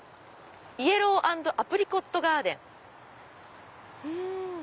「イエロー＆アプリコット・ガーデン」。